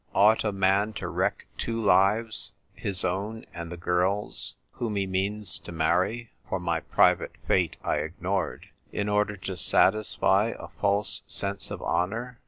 Ought a man to wreck two lives — his own and the girl's whom he means to marry (for my private fate I ignored) — in order to satisfy a false sense of honour?